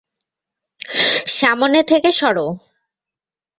সামনে থেকে সরো!